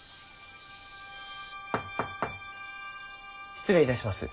失礼いたします。